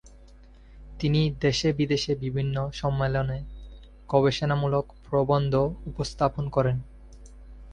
তিনি দেশে-বিদেশে বিভিন্ন সম্মেলনে গবেষণামূলক প্রবন্ধ উপস্থাপন করেন।